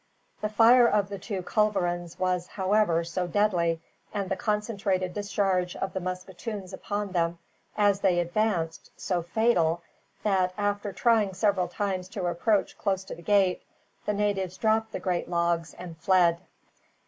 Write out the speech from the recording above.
The fire of the two culverins was, however, so deadly, and the concentrated discharge of the musketoons upon them as they advanced so fatal that, after trying several times to approach close to the gate, the natives dropped the great logs and fled.